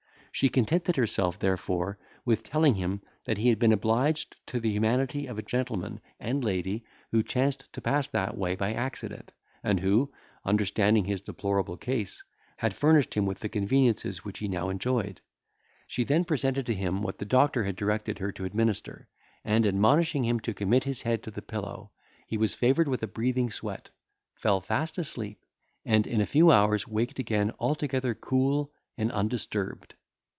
She contented herself, therefore, with telling him, that he had been obliged to the humanity of a gentleman and lady, who chanced to pass that way by accident, and who, understanding his deplorable case, had furnished him with the conveniences which he now enjoyed. She then presented to him what the doctor had directed her to administer, and, admonishing him to commit his head to the pillow, he was favoured with a breathing sweat, fell fast asleep, and in a few hours waked again altogether cool and undisturbed.